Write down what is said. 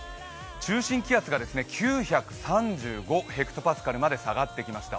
中心気圧が９３５ｈＰａまで下がってきました。